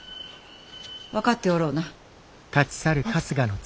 分かっておろうな！